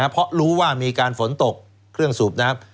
เพราะรู้ว่ามีการฝนตกเครื่องสูบน้ำ